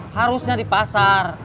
harusnya di pasar